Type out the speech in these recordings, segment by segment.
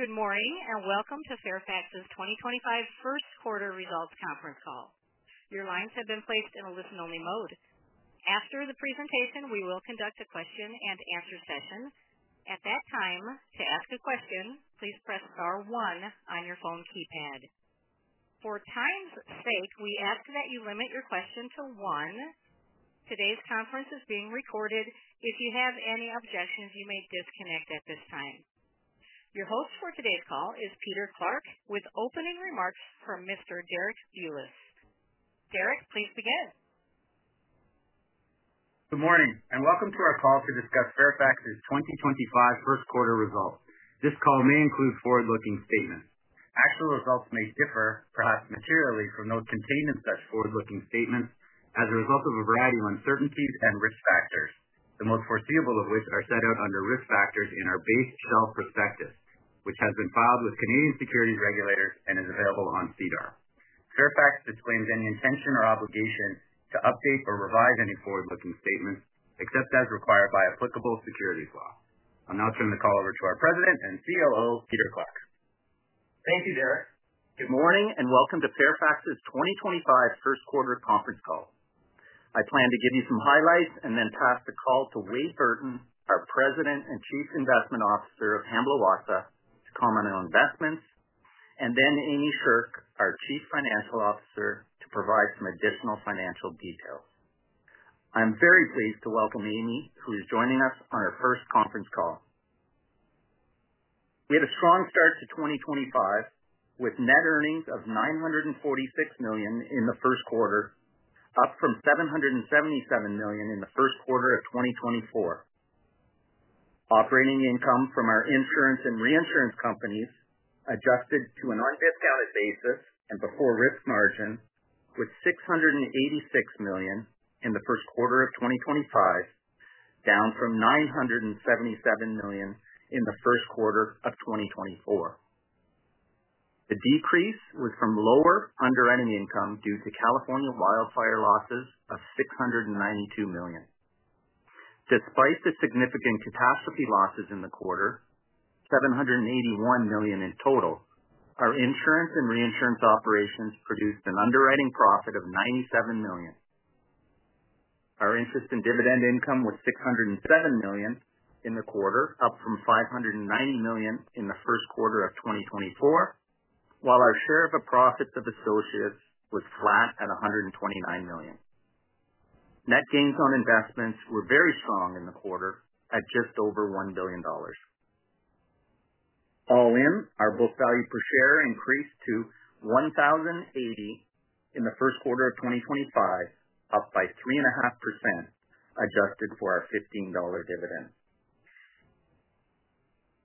Good morning and welcome to Fairfax's 2025 first quarter results conference call. Your lines have been placed in a listen-only mode. After the presentation, we will conduct a question-and-answer session. At that time, to ask a question, please press star one on your phone keypad. For time's sake, we ask that you limit your question to one. Today's conference is being recorded. If you have any objections, you may disconnect at this time. Your host for today's call is Peter Clarke, with opening remarks from Mr. Derek Bulas. Derek, please begin. Good morning and welcome to our call to discuss Fairfax's 2025 first quarter results. This call may include forward-looking statements. Actual results may differ, perhaps materially, from those contained in such forward-looking statements as a result of a variety of uncertainties and risk factors, the most foreseeable of which are set out under risk factors in our base shelf prospectus, which has been filed with Canadian securities regulators and is available on SEDAR. Fairfax disclaims any intention or obligation to update or revise any forward-looking statements except as required by applicable securities law. I'm now turning the call over to our President and COO, Peter Clarke. Thank you, Derek. Good morning and welcome to Fairfax's 2025 first quarter conference call. I plan to give you some highlights and then pass the call to Wade Burton, our President and Chief Investment Officer of Hamblin Watsa, to comment on investments, and then Amy Sherk, our Chief Financial Officer, to provide some additional financial details. I'm very pleased to welcome Amy, who is joining us on our first conference call. We had a strong start to 2025 with net earnings of $946 million in the first quarter, up from $777 million in the first quarter of 2024. Operating income from our insurance and reinsurance companies adjusted to an undiscounted basis and before risk margin was $686 million in the first quarter of 2025, down from $977 million in the first quarter of 2024. The decrease was from lower underwriting income due to California wildfire losses of $692 million. Despite the significant catastrophe losses in the quarter, $781 million in total, our insurance and reinsurance operations produced an underwriting profit of $97 million. Our interest and dividend income was $607 million in the quarter, up from $590 million in the first quarter of 2024, while our share of profits of associates was flat at $129 million. Net gains on investments were very strong in the quarter at just over $1 billion. All in, our book value per share increased to $1,080 in the first quarter of 2025, up by 3.5%, adjusted for our $15 dividend.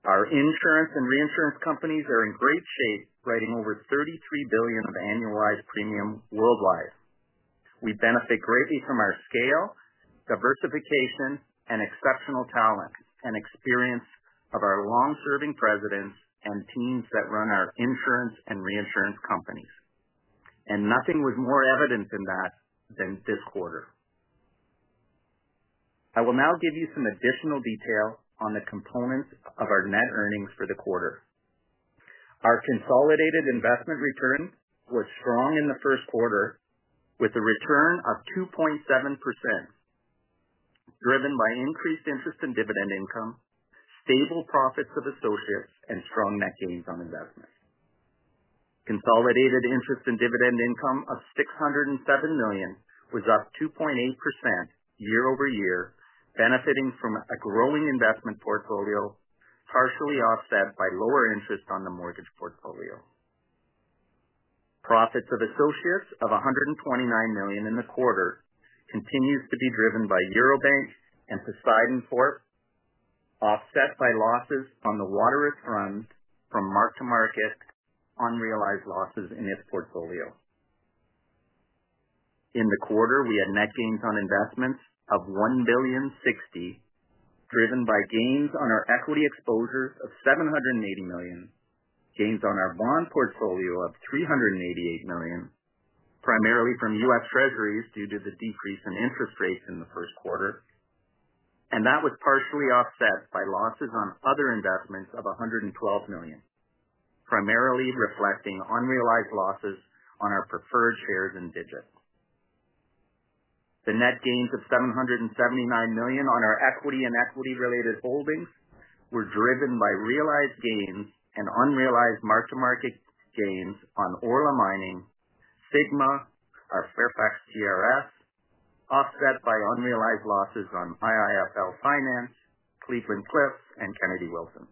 Our insurance and reinsurance companies are in great shape, writing over $33 billion of annualized premium worldwide. We benefit greatly from our scale, diversification, and exceptional talent and experience of our long-serving presidents and teams that run our insurance and reinsurance companies. Nothing was more evident than that than this quarter. I will now give you some additional detail on the components of our net earnings for the quarter. Our consolidated investment return was strong in the first quarter, with a return of 2.7%, driven by increased interest and dividend income, stable profits of associates, and strong net gains on investments. Consolidated interest and dividend income of $607 million was up 2.8% year over year, benefiting from a growing investment portfolio, partially offset by lower interest on the mortgage portfolio. Profits of associates of $129 million in the quarter continues to be driven by Eurobank and Poseidon, offset by losses on the Waterous Fund from mark-to-market, unrealized losses in its portfolio. In the quarter, we had net gains on investments of $1,060,000,000, driven by gains on our equity exposures of $780 million, gains on our bond portfolio of $388 million, primarily from U.S. Treasuries due to the decrease in interest rates in the first quarter, and that was partially offset by losses on other investments of $112 million, primarily reflecting unrealized losses on our preferred shares and Digitide Solutions. The net gains of $779 million on our equity and equity-related holdings were driven by realized gains and unrealized mark-to-market gains on Orla Mining, Sigma, our Fairfax TRS, offset by unrealized losses on IIFL Finance, Cleveland-Cliffs, and Kennedy Wilson.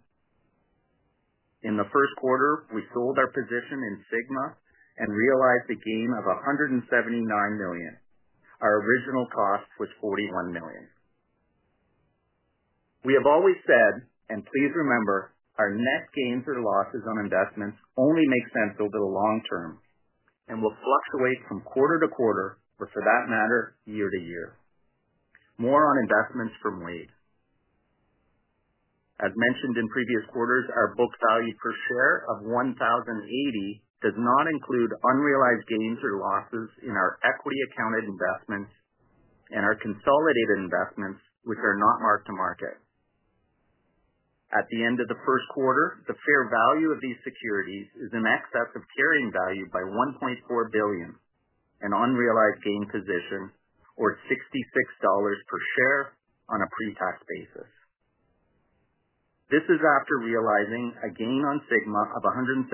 In the first quarter, we sold our position in Sigma and realized a gain of $179 million. Our original cost was $41 million. We have always said, and please remember, our net gains or losses on investments only make sense over the long term and will fluctuate from quarter-to-quarter, or for that matter, year-to-year. More on investments from Wade. As mentioned in previous quarters, our book value per share of $1,080 does not include unrealized gains or losses in our equity-accounted investments and our consolidated investments, which are not mark-to-market. At the end of the first quarter, the fair value of these securities is in excess of carrying value by $1.4 billion, an unrealized gain position, or $66 per share on a pre-tax basis. This is after realizing a gain on Sigma of $179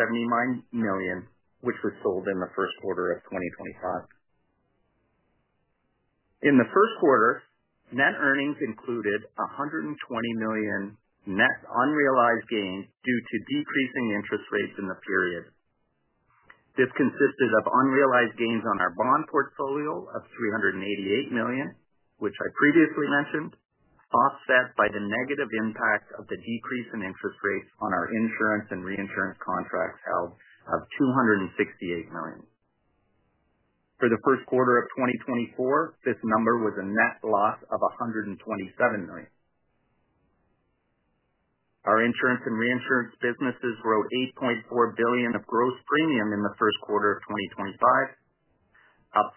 million, which was sold in the first quarter of 2025. In the first quarter, net earnings included $120 million net unrealized gains due to decreasing interest rates in the period. This consisted of unrealized gains on our bond portfolio of $388 million, which I previously mentioned, offset by the negative impact of the decrease in interest rates on our insurance and reinsurance contracts held of $268 million. For the first quarter of 2024, this number was a net loss of $127 million. Our insurance and reinsurance businesses wrote $8.4 billion of gross premium in the first quarter of 2025, up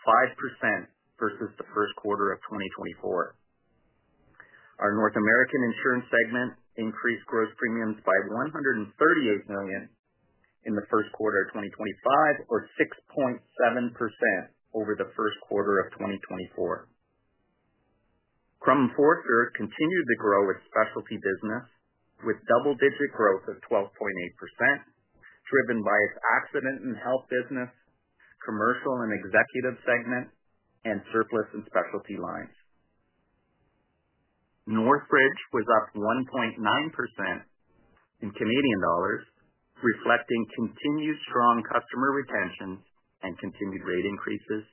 5% versus the first quarter of 2024. Our North American insurance segment increased gross premiums by $138 million in the first quarter of 2025, or 6.7% over the first quarter of 2024. Crum & Forster continued to grow its specialty business with double-digit growth of 12.8%, driven by its accident and health business, commercial and executive segment, and surplus and specialty lines. Northbridge was up 1.9% in Canadian dollars, reflecting continued strong customer retention and continued rate increases,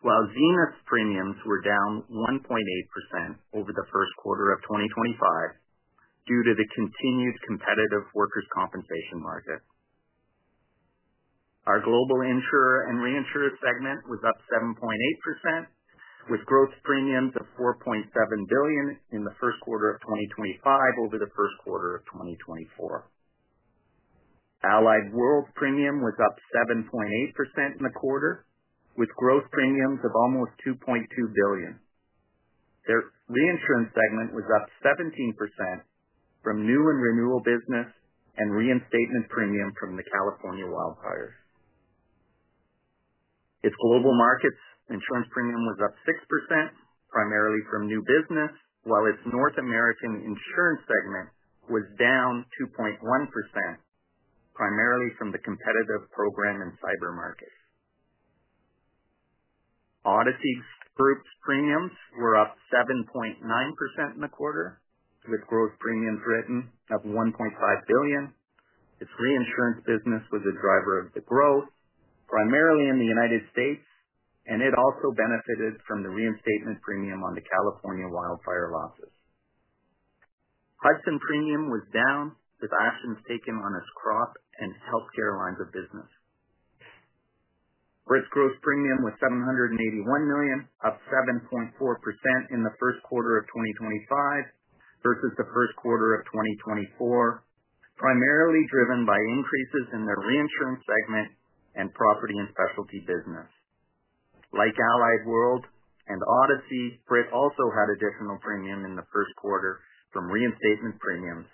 while Zenith's premiums were down 1.8% over the first quarter of 2025 due to the continued competitive workers' compensation market. Our global insurer and reinsurer segment was up 7.8%, with gross premiums of $4.7 billion in the first quarter of 2025 over the first quarter of 2024. Allied World's premium was up 7.8% in the quarter, with gross premiums of almost $2.2 billion. Their reinsurance segment was up 17% from new and renewal business and reinstatement premium from the California wildfires. Its global markets insurance premium was up 6%, primarily from new business, while its North American insurance segment was down 2.1%, primarily from the competitive program and cyber markets. Odyssey Group's premiums were up 7.9% in the quarter, with gross premiums written of $1.5 billion. Its reinsurance business was a driver of the growth, primarily in the United States, and it also benefited from the reinstatement premium on the California wildfire losses. Hudson premium was down, with actions taken on its crop and healthcare lines of business. Brit's gross premium was $781 million, up 7.4% in the first quarter of 2025 versus the first quarter of 2024, primarily driven by increases in their reinsurance segment and property and specialty business. Like Allied World and Odyssey, Brit also had additional premium in the first quarter from reinstatement premiums.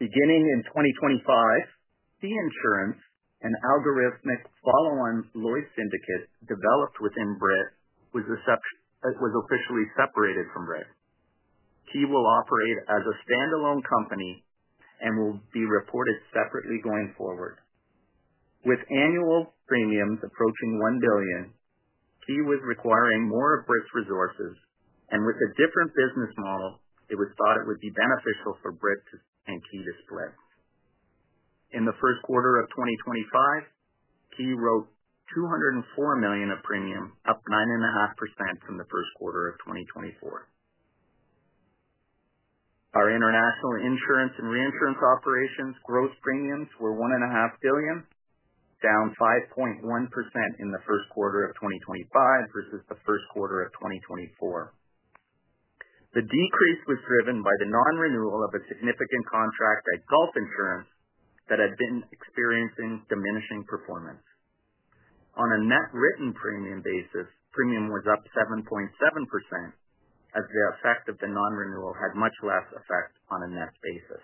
Beginning in 2025, Ki, an algorithmic follow-on Lloyd's syndicate developed within Brit, was officially separated from Brit. Ki will operate as a standalone company and will be reported separately going forward. With annual premiums approaching $1 billion, Ki was requiring more of Brit's resources, and with a different business model, it was thought it would be beneficial for Brit and Ki to split. In the first quarter of 2025, Ki wrote $204 million of premium, up 9.5% from the first quarter of 2024. Our international insurance and reinsurance operations gross premiums were $1.5 billion, down 5.1% in the first quarter of 2025 versus the first quarter of 2024. The decrease was driven by the non-renewal of a significant contract at Gulf Insurance that had been experiencing diminishing performance. On a net written premium basis, premium was up 7.7%, as the effect of the non-renewal had much less effect on a net basis.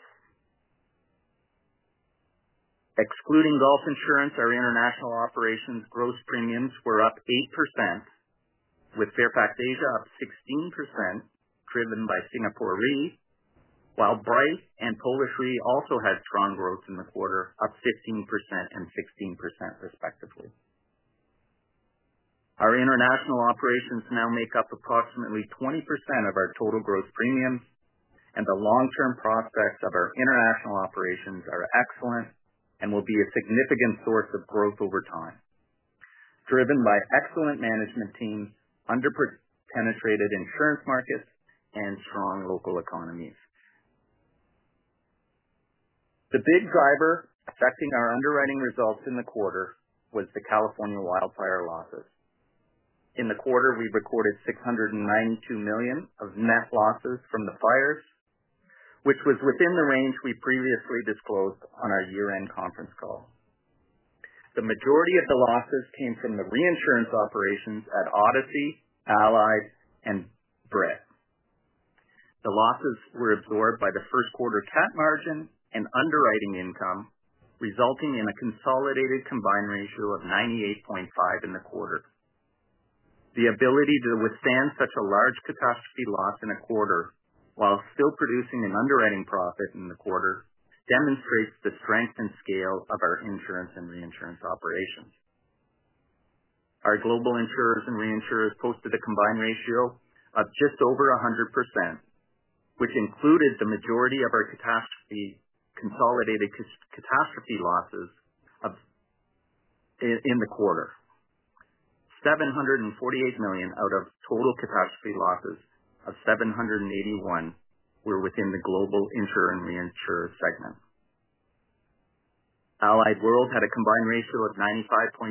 Excluding Gulf Insurance, our international operations gross premiums were up 8%, with Fairfax Asia up 16%, driven by Singapore Re, while Bryte and Polish Re also had strong growth in the quarter, up 15% and 16%, respectively. Our international operations now make up approximately 20% of our total gross premiums, and the long-term prospects of our international operations are excellent and will be a significant source of growth over time, driven by excellent management teams, underpenetrated insurance markets, and strong local economies. The big driver affecting our underwriting results in the quarter was the California wildfire losses. In the quarter, we recorded $692 million of net losses from the fires, which was within the range we previously disclosed on our year-end conference call. The majority of the losses came from the reinsurance operations at Odyssey, Allied World, and Brit. The losses were absorbed by the first quarter cap margin and underwriting income, resulting in a consolidated combined ratio of 98.5% in the quarter. The ability to withstand such a large catastrophe loss in a quarter while still producing an underwriting profit in the quarter demonstrates the strength and scale of our insurance and reinsurance operations. Our global insurers and reinsurers posted a combined ratio of just over 100%, which included the majority of our consolidated catastrophe losses in the quarter. $748 million out of total catastrophe losses of $781 million were within the global insurer and reinsurer segment. Allied World had a combined ratio of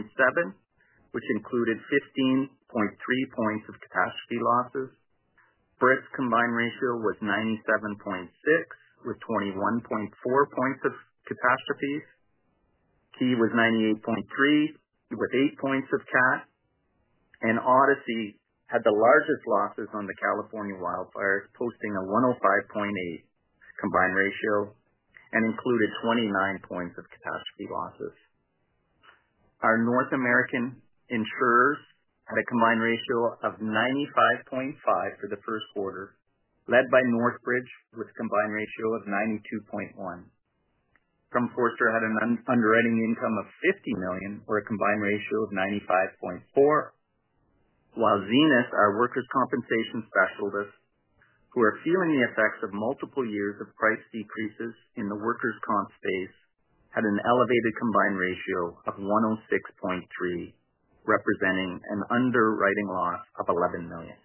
95.7, which included 15.3 percentage points of catastrophe losses. Brit's combined ratio was 97.6, with 21.4 percentage points of catastrophes. Ki was 98.3, with 8 percentage points of catastrophe. Odyssey had the largest losses on the California wildfires, posting a 105.8 combined ratio and included 29 percentage points of catastrophe losses. Our North American insurers had a combined ratio of 95.5% for the first quarter, led by Northbridge with a combined ratio of 92.1%. Crum & Forster had an underwriting income of $50 million, or a combined ratio of 95.4%, while Zenith, our workers' compensation specialists, who are feeling the effects of multiple years of price decreases in the workers' comp space, had an elevated combined ratio of 106.3%, representing an underwriting loss of $11 million.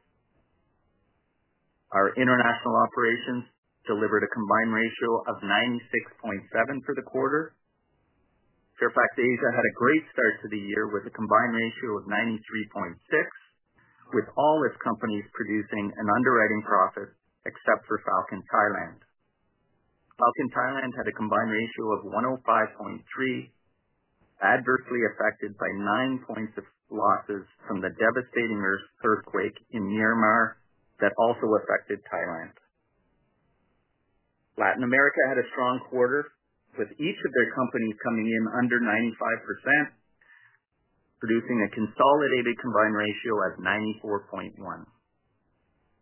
Our international operations delivered a combined ratio of 96.7% for the quarter. Fairfax Asia had a great start to the year with a combined ratio of 93.6%, with all its companies producing an underwriting profit except for Falcon Thailand. Falcon Thailand had a combined ratio of 105.3%, adversely affected by 9 percentage points of losses from the devastating earthquake in Myanmar that also affected Thailand. Latin America had a strong quarter, with each of their companies coming in under 95%, producing a consolidated combined ratio of 94.1%.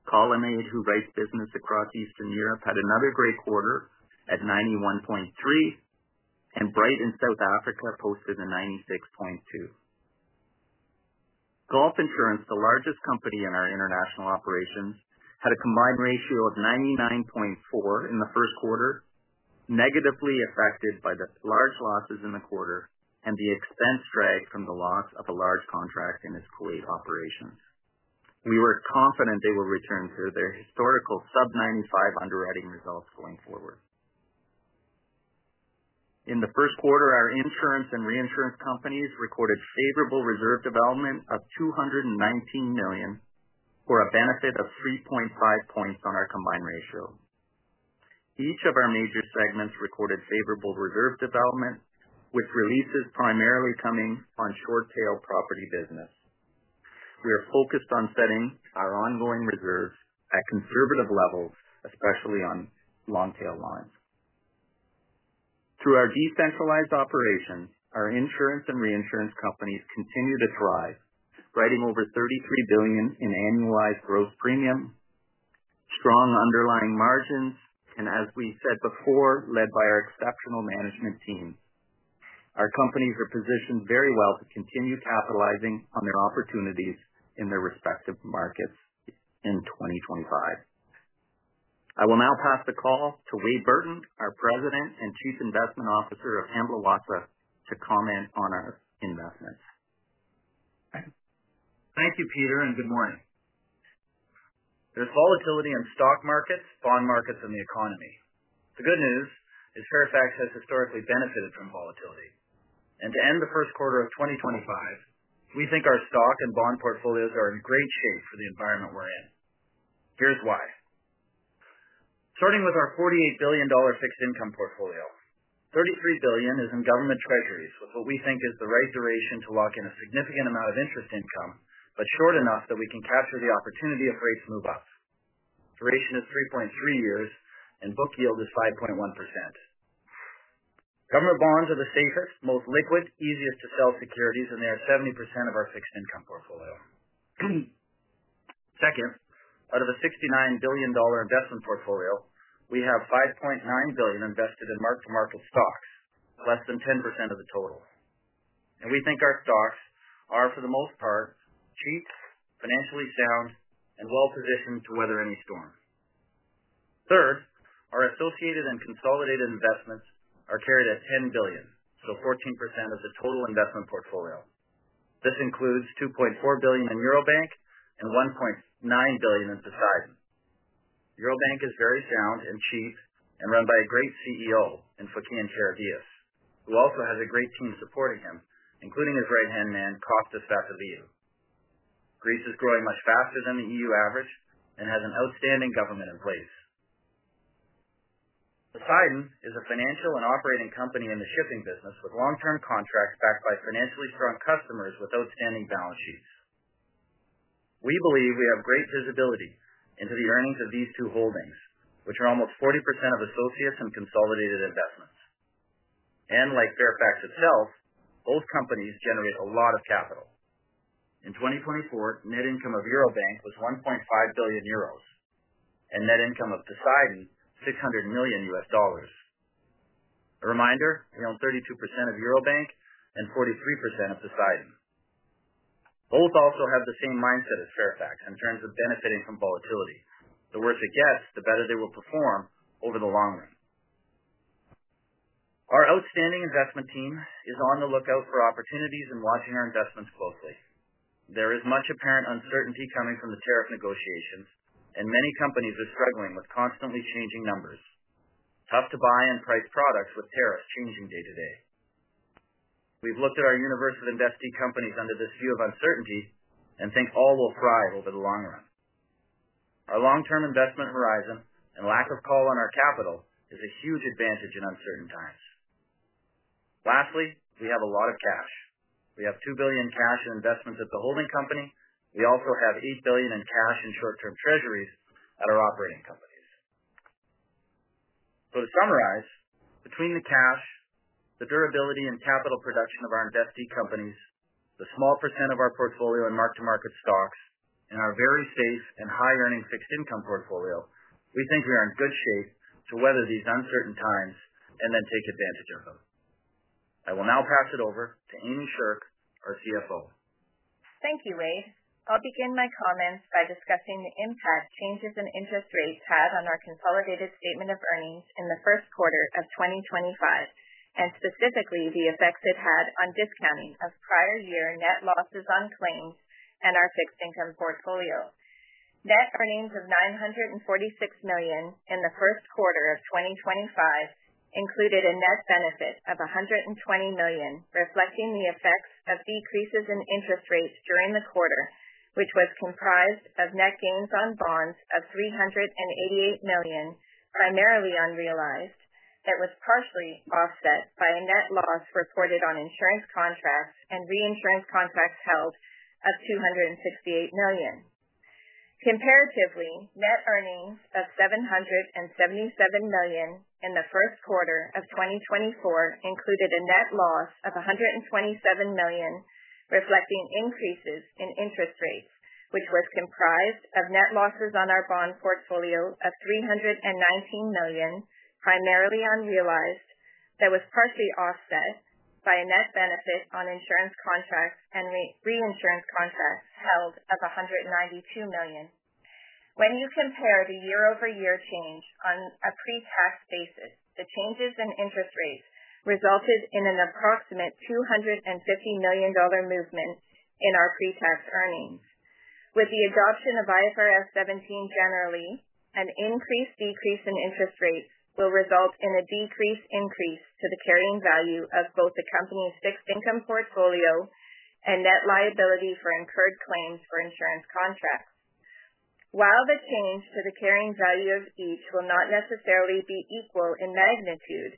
Colonnade, who writes business across Eastern Europe, had another great quarter at 91.3%, and Bryte in South Africa posted a 96.2%. Gulf Insurance, the largest company in our international operations, had a combined ratio of 99.4% in the first quarter, negatively affected by the large losses in the quarter and the expense drag from the loss of a large contract in its Kuwait operations. We are confident they will return to their historical sub-95% underwriting results going forward. In the first quarter, our insurance and reinsurance companies recorded favorable reserve development of $219 million, or a benefit of 3.5 percentage points on our combined ratio. Each of our major segments recorded favorable reserve development, with releases primarily coming on short-tail property business. We are focused on setting our ongoing reserves at conservative levels, especially on long-tail lines. Through our decentralized operations, our insurance and reinsurance companies continue to thrive, writing over $33 billion in annualized gross premium, strong underlying margins, and, as we said before, led by our exceptional management team. Our companies are positioned very well to continue capitalizing on their opportunities in their respective markets in 2025. I will now pass the call to Wade Burton, our President and Chief Investment Officer of Hamblin Watsa, to comment on our investments. Thank you, Peter, and good morning. There's volatility in stock markets, bond markets, and the economy. The good news is Fairfax has historically benefited from volatility. To end the first quarter of 2025, we think our stock and bond portfolios are in great shape for the environment we're in. Here's why. Starting with our $48 billion fixed income portfolio, $33 billion is in government treasuries with what we think is the right duration to lock in a significant amount of interest income, but short enough that we can capture the opportunity if rates move up. Duration is 3.3 years, and book yield is 5.1%. Government bonds are the safest, most liquid, easiest to sell securities, and they are 70% of our fixed income portfolio. Second, out of a $69 billion investment portfolio, we have $5.9 billion invested in mark-to-market stocks, less than 10% of the total. We think our stocks are, for the most part, cheap, financially sound, and well-positioned to weather any storm. Third, our associated and consolidated investments are carried at $10 billion, so 14% of the total investment portfolio. This includes $2.4 billion in Eurobank and $1.9 billion in Poseidon. Eurobank is very sound and cheap and run by a great CEO in Fokion Karavias, who also has a great team supporting him, including his right-hand man, Kaufman Zervos. Greece is growing much faster than the EU average and has an outstanding government in place. Poseidon is a financial and operating company in the shipping business with long-term contracts backed by financially strong customers with outstanding balance sheets. We believe we have great visibility into the earnings of these two holdings, which are almost 40% of associates and consolidated investments. Like Fairfax itself, both companies generate a lot of capital. In 2024, net income of Eurobank was 1.5 billion euros and net income of Poseidon $600 million. A reminder, we own 32% of Eurobank and 43% of Poseidon. Both also have the same mindset as Fairfax in terms of benefiting from volatility. The worse it gets, the better they will perform over the long run. Our outstanding investment team is on the lookout for opportunities and watching our investments closely. There is much apparent uncertainty coming from the tariff negotiations, and many companies are struggling with constantly changing numbers, tough-to-buy and price products with tariffs changing day to day. We've looked at our universe of investee companies under this view of uncertainty and think all will thrive over the long run. Our long-term investment horizon and lack of call on our capital is a huge advantage in uncertain times. Lastly, we have a lot of cash. We have $2 billion in investments at the holding company. We also have $8 billion in cash and short-term treasuries at our operating companies. To summarize, between the cash, the durability, and capital production of our investee companies, the small percent of our portfolio in mark-to-market stocks, and our very safe and high-earning fixed income portfolio, we think we are in good shape to weather these uncertain times and then take advantage of them. I will now pass it over to Amy Sherk, our CFO. Thank you, Wade. I'll begin my comments by discussing the impact changes in interest rates had on our consolidated statement of earnings in the first quarter of 2025, and specifically the effects it had on discounting of prior year net losses on claims and our fixed income portfolio. Net earnings of $946 million in the first quarter of 2025 included a net benefit of $120 million, reflecting the effects of decreases in interest rates during the quarter, which was comprised of net gains on bonds of $388 million, primarily unrealized, that was partially offset by a net loss reported on insurance contracts and reinsurance contracts held of $268 million. Comparatively, net earnings of $777 million in the first quarter of 2024 included a net loss of $127 million, reflecting increases in interest rates, which was comprised of net losses on our bond portfolio of $319 million, primarily unrealized, that was partially offset by a net benefit on insurance contracts and reinsurance contracts held of $192 million. When you compare the year-over-year change on a pre-tax basis, the changes in interest rates resulted in an approximate $250 million movement in our pre-tax earnings. With the adoption of IFRS 17 generally, an increased decrease in interest rates will result in a decreased increase to the carrying value of both the company's fixed income portfolio and net liability for incurred claims for insurance contracts. While the change to the carrying value of each will not necessarily be equal in magnitude,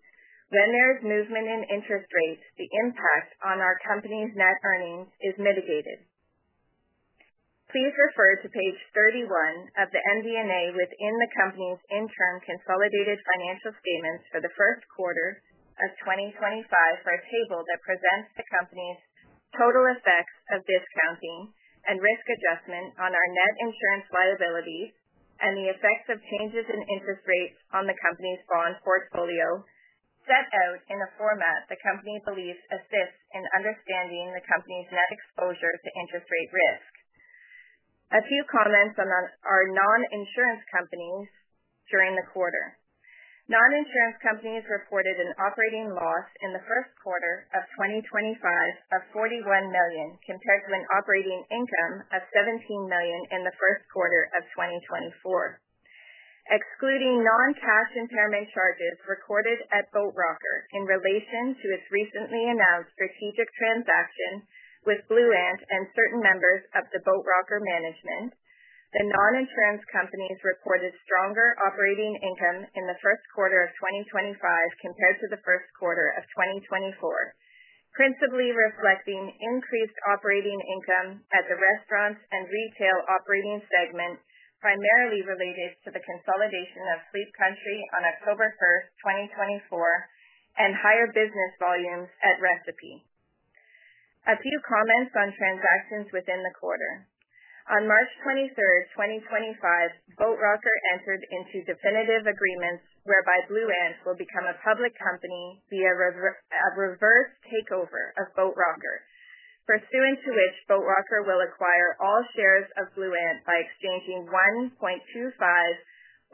when there is movement in interest rates, the impact on our company's net earnings is mitigated. Please refer to Page 31 of the MD&A within the company's interim consolidated financial statements for the first quarter of 2025 for a table that presents the company's total effects of discounting and risk adjustment on our net insurance liabilities and the effects of changes in interest rates on the company's bond portfolio, set out in a format the company believes assists in understanding the company's net exposure to interest rate risk. A few comments on our non-insurance companies during the quarter. Non-insurance companies reported an operating loss in the first quarter of 2025 of $41 million compared to an operating income of $17 million in the first quarter of 2024, excluding non-cash impairment charges recorded at Boat Rocker in relation to its recently announced strategic transaction with Blue Ant and certain members of the Boat Rocker management. The non-insurance companies reported stronger operating income in the first quarter of 2025 compared to the first quarter of 2024, principally reflecting increased operating income at the restaurants and retail operating segment, primarily related to the consolidation of Sleep Country on October 1st, 2024, and higher business volumes at Recipe. A few comments on transactions within the quarter. On March 23rd, 2025, Boat Rocker entered into definitive agreements whereby Blue Ant will become a public company via a reverse takeover of Boat Rocker, pursuant to which Boat Rocker will acquire all shares of Blue Ant by exchanging 1.25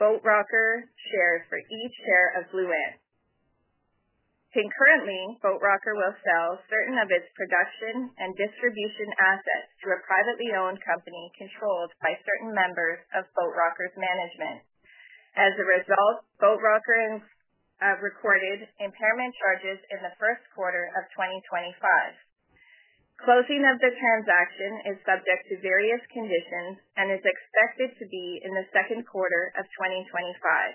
Boat Rocker shares for each share of Blue Ant. Concurrently, Boat Rocker will sell certain of its production and distribution assets to a privately owned company controlled by certain members of Boat Rocker's management. As a result, Boat Rocker recorded impairment charges in the first quarter of 2025. Closing of the transaction is subject to various conditions and is expected to be in the second quarter of 2025.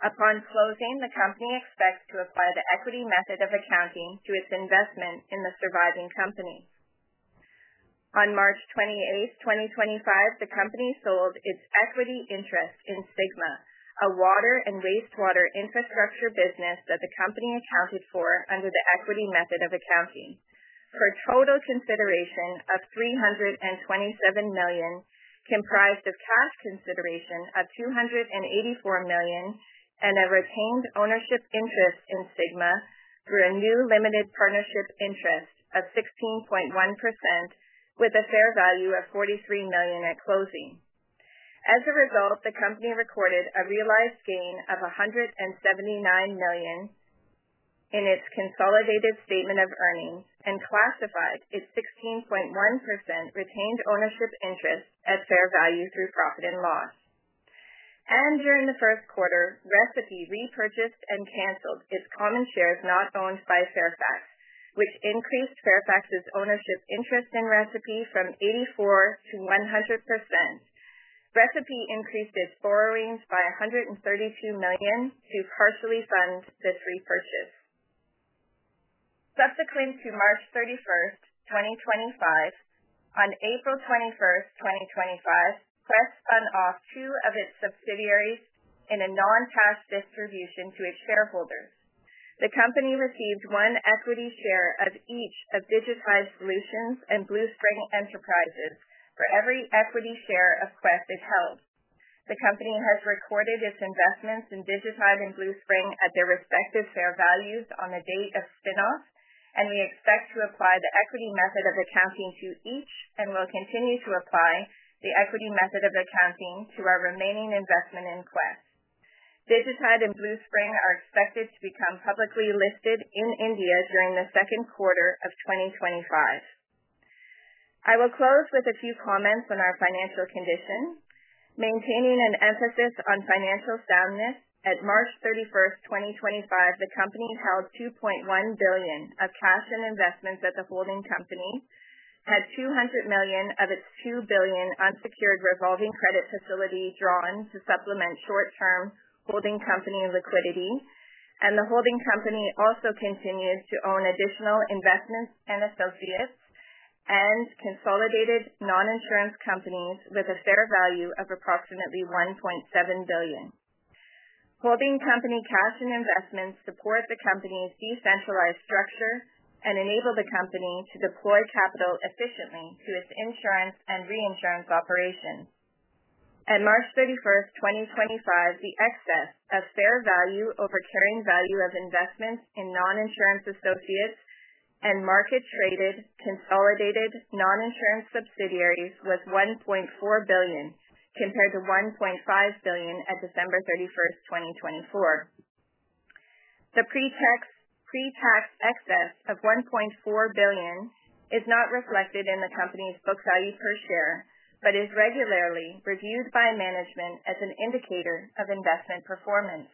Upon closing, the company expects to apply the equity method of accounting to its investment in the surviving company. On March 28th, 2025, the company sold its equity interest in Sigma, a water and wastewater infrastructure business that the company accounted for under the equity method of accounting, for a total consideration of $327 million, comprised of cash consideration of $284 million, and a retained ownership interest in Sigma through a new limited partnership interest of 16.1%, with a fair value of $43 million at closing. As a result, the company recorded a realized gain of $179 million in its consolidated statement of earnings and classified its 16.1% retained ownership interest as fair value through profit and loss. During the first quarter, Recipe repurchased and canceled its common shares not owned by Fairfax, which increased Fairfax's ownership interest in Recipe from 84% to 100%. Recipe increased its borrowings by $132 million to partially fund this repurchase. Subsequent to March 31st, 2025, on April 21st, 2025, Quess spun off two of its subsidiaries in a non-cash distribution to its shareholders. The company received one equity share of each of Digitide Solutions and Bluspring Enterprises for every equity share of Quess it held. The company has recorded its investments in Digitide and Bluspring at their respective fair values on the date of spinoff, and we expect to apply the equity method of accounting to each and will continue to apply the equity method of accounting to our remaining investment in Quess. Digitide and Bluspring are expected to become publicly listed in India during the second quarter of 2025. I will close with a few comments on our financial condition. Maintaining an emphasis on financial soundness, at March 31st, 2025, the company held $2.1 billion of cash and investments at the holding company, had $200 million of its $2 billion unsecured revolving credit facility drawn to supplement short-term holding company liquidity, and the holding company also continues to own additional investments and associates and consolidated non-insurance companies with a fair value of approximately $1.7 billion. Holding company cash and investments support the company's decentralized structure and enable the company to deploy capital efficiently to its insurance and reinsurance operations. At March 31st, 2025, the excess of fair value over carrying value of investments in non-insurance associates and market-traded consolidated non-insurance subsidiaries was $1.4 billion, compared to $1.5 billion at December 31st, 2024. The pre-tax excess of $1.4 billion is not reflected in the company's book value per share, but is regularly reviewed by management as an indicator of investment performance.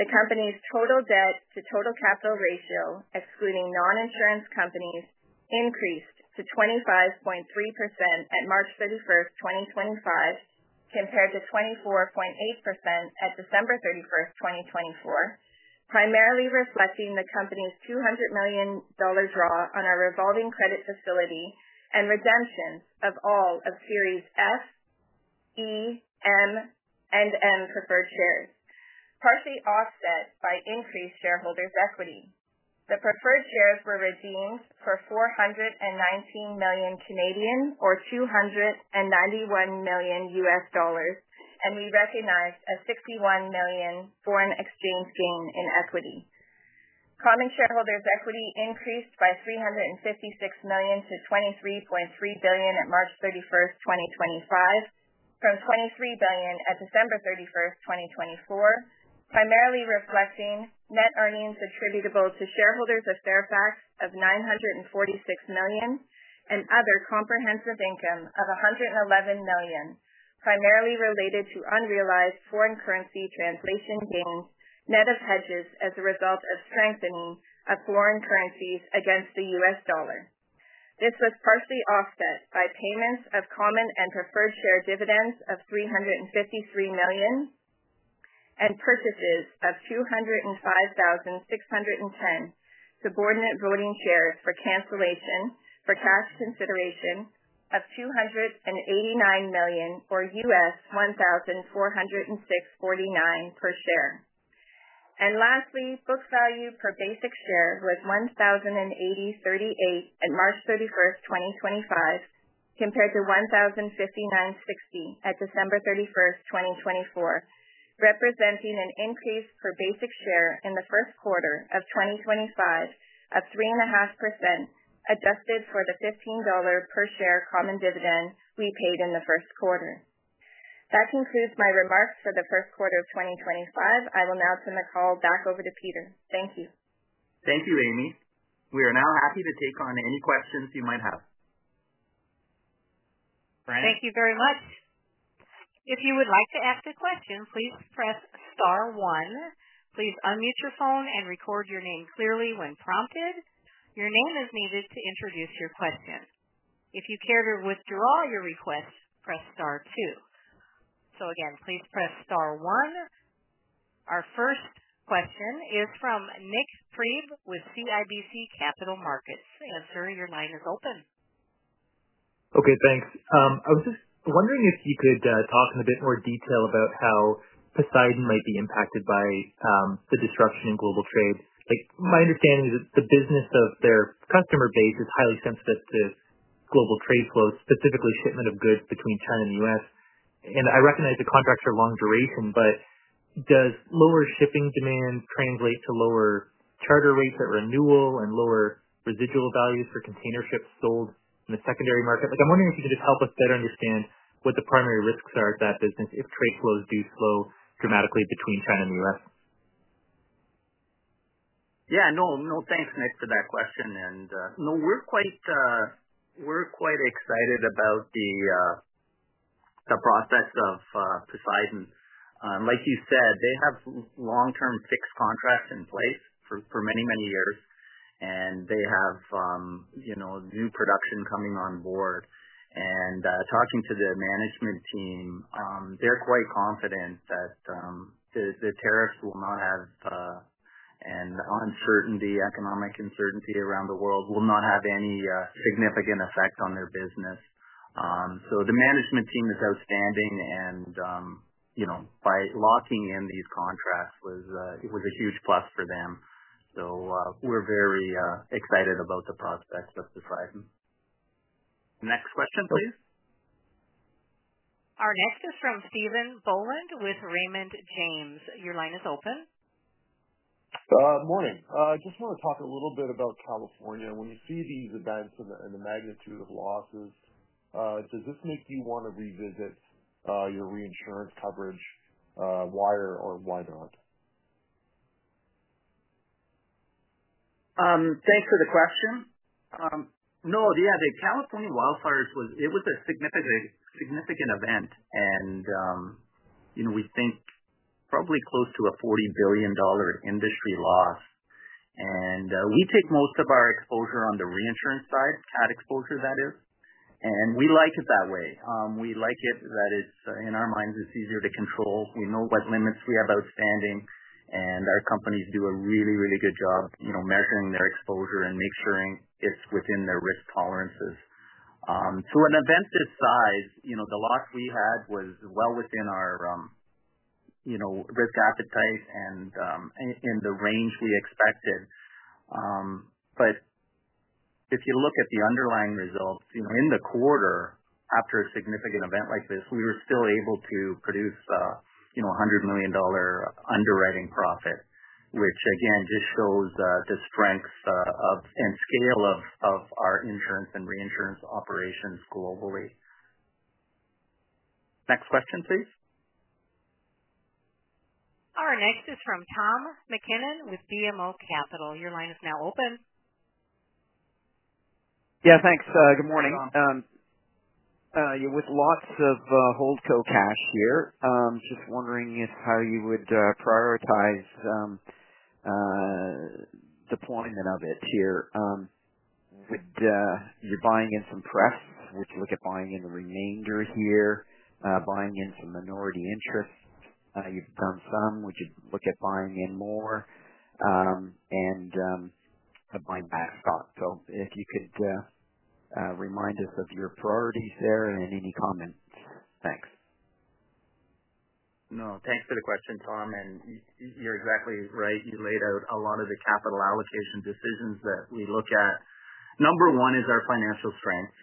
The company's total debt-to-total capital ratio, excluding non-insurance companies, increased to 25.3% at March 31st, 2025, compared to 24.8% at December 31st, 2024, primarily reflecting the company's $200 million draw on our revolving credit facility and redemption of all of Series F, E, M, and N preferred shares, partially offset by increased shareholders' equity. The preferred shares were redeemed for 419 million or $291 million U.S. dollars, and we recognized a $61 million foreign exchange gain in equity. Common shareholders' equity increased by $356 million to $23.3 billion at March 31st, 2025, from $23 billion at December 31st, 2024, primarily reflecting net earnings attributable to shareholders of Fairfax of $946 million and other comprehensive income of $111 million, primarily related to unrealized foreign currency translation gains, net of hedges as a result of strengthening of foreign currencies against the U.S. dollar. This was partially offset by payments of common and preferred share dividends of $353 million and purchases of 205,610 subordinate voting shares for cancellation for cash consideration of $289 million or $1,406.49 per share. Lastly, book value per basic share was $1,080.38 at March 31st, 2025, compared to $1,059.60 at December 31st, 2024, representing an increase per basic share in the first quarter of 2025 of 3.5%, adjusted for the $15 per share common dividend we paid in the first quarter. That concludes my remarks for the first quarter of 2025. I will now turn the call back over to Peter. Thank you. Thank you, Amy. We are now happy to take on any questions you might have. Thank you very much. If you would like to ask a question, please press star one. Please unmute your phone and record your name clearly when prompted. Your name is needed to introduce your question. If you care to withdraw your request, press star two. Please press star one. Our first question is from Nik Priebe with CIBC Capital Markets. Answer, your line is open. Okay, thanks. I was just wondering if you could talk in a bit more detail about how Poseidon might be impacted by the disruption in global trade. My understanding is that the business of their customer base is highly sensitive to global trade flows, specifically shipment of goods between China and the U.S. I recognize the contracts are long duration, but does lower shipping demand translate to lower charter rates at renewal and lower residual values for container ships sold in the secondary market? I'm wondering if you can just help us better understand what the primary risks are of that business if trade flows do slow dramatically between China and the U.S. Yeah, no, thanks, Nik, for that question. No, we're quite excited about the prospects of Poseidon. Like you said, they have long-term fixed contracts in place for many, many years, and they have new production coming on board. Talking to the management team, they're quite confident that the tariffs will not have, and the uncertainty, economic uncertainty around the world will not have any significant effect on their business. The management team is outstanding, and by locking in these contracts, it was a huge plus for them. We're very excited about the prospects of Poseidon. Next question, please. Our next is from Stephen Boland with Raymond James. Your line is open. Good morning. I just want to talk a little bit about California. When you see these events and the magnitude of losses, does this make you want to revisit your reinsurance coverage, why or why not? Thanks for the question. No, yeah, the California wildfires, it was a significant event, and we think probably close to a $40 billion industry loss. We take most of our exposure on the reinsurance side, CAT exposure, that is. We like it that way. We like it that in our minds, it's easier to control. We know what limits we have outstanding, and our companies do a really, really good job measuring their exposure and make sure it's within their risk tolerances. An event this size, the loss we had was well within our risk appetite and in the range we expected. If you look at the underlying results, in the quarter, after a significant event like this, we were still able to produce $100 million underwriting profit, which again just shows the strength and scale of our insurance and reinsurance operations globally. Next question, please. Our next is from Tom MacKinnon with BMO Capital. Your line is now open. Yeah, thanks. Good morning. With lots of Holdco cash here, just wondering how you would prioritize deployment of it here. Would you be buying in some press? Would you look at buying in the remainder here? Buying in some minority interests? You've done some. Would you look at buying in more? And buying back stock. If you could remind us of your priorities there and any comments. Thanks. No, thanks for the question, Tom. And you're exactly right. You laid out a lot of the capital allocation decisions that we look at. Number one is our financial strength.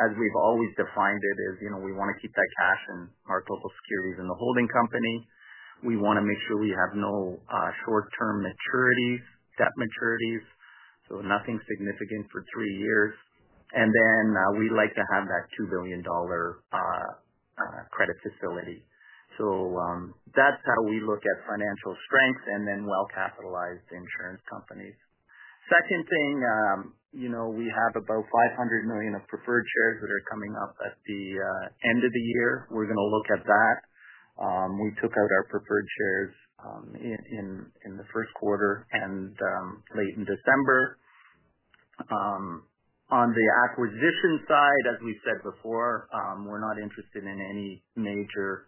As we've always defined it, we want to keep that cash and our total securities in the holding company. We want to make sure we have no short-term debt maturities, so nothing significant for three years. We would like to have that $2 billion credit facility. That is how we look at financial strength and then well-capitalized insurance companies. Second thing, we have about $500 million of preferred shares that are coming up at the end of the year. We are going to look at that. We took out our preferred shares in the first quarter and late in December. On the acquisition side, as we said before, we are not interested in any major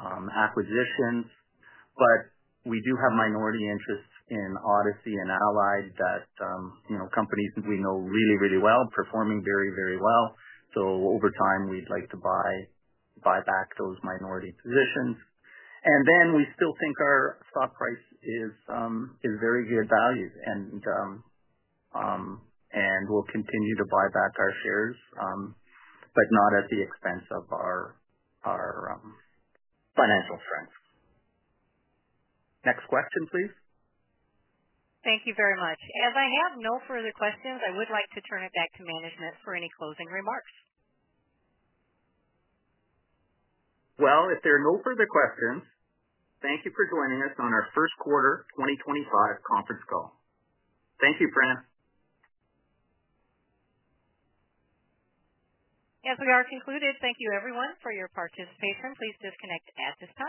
acquisitions. We do have minority interests in Odyssey and Allied that companies we know really, really well, performing very, very well. Over time, we'd like to buy back those minority positions. We still think our stock price is very good value, and we'll continue to buy back our shares, but not at the expense of our financial strength. Next question, please. Thank you very much. As I have no further questions, I would like to turn it back to management for any closing remarks. If there are no further questions, thank you for joining us on our first quarter 2025 conference call. Thank you, Prana. As we are concluded, thank you everyone for your participation. Please disconnect at this time.